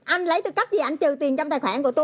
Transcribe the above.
anh lấy tư cách gì anh trừ tiền trong tài khoản của tôi